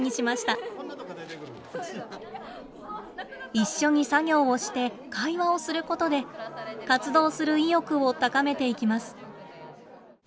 一緒に作業をして会話をすることで活動する意欲を高めていきます。